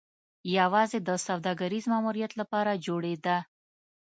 یوازې د سوداګریز ماموریت لپاره جوړېده.